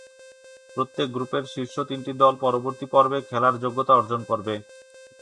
প্রত্যেক গ্রুপের শীর্ষ তিনটি দল পরবর্তী পর্বে খেলার যোগ্যতা অর্জন করবে।